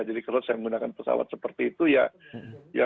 kalau saya menggunakan pesawat seperti itu ya